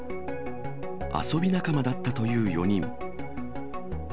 遊び仲間だったという４人。